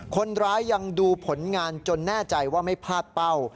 คนร้ายยังดูผลงานจนแน่ใจว่าไม่พลาดเป้า